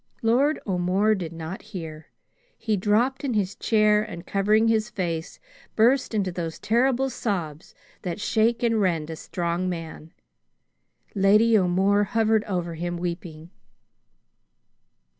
Lord O'More did not hear her. He dropped in his chair, and covering his face, burst into those terrible sobs that shake and rend a strong man. Lady O'More hovered over him, weeping.